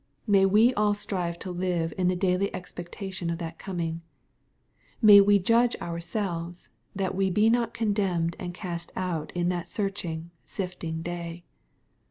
May we all strive to live in the daily ex pectation of that coming ! May we judge ourselves, that we be not condemned and cast out in that searching and sifting day